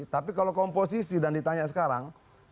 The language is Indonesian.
tapi kalau komposisi dan ditanya sekarang